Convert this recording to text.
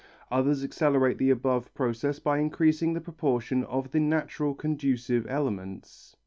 Others accelerate the above process by increasing the proportion of the natural conducive elements.